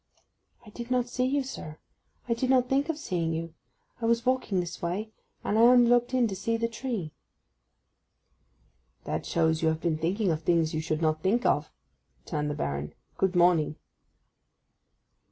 'I did not see you, sir. I did not think of seeing you. I was walking this way, and I only looked in to see the tree.' 'That shows you have been thinking of things you should not think of,' returned the Baron. 'Good morning.